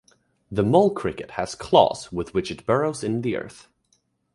The mole-cricket has claws with which it burrows in the earth.